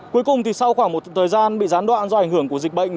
cuối cùng thì sau khoảng một thời gian bị gián đoạn do ảnh hưởng của dịch bệnh